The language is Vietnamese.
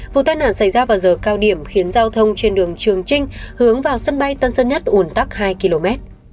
vụ tai nạn xảy ra vào giờ cao điểm khiến giao thông trên đường trường trinh hướng vào sân bay tân sơn nhất ủn tắc hai km